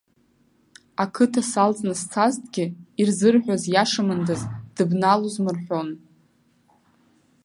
Ақыҭа салҵны сцазҭгьы, ирзырҳәаз иашамындаз дыбналозма рҳәон.